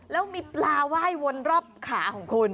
แล้วมีปลาไหว้วนรอบขาของคุณ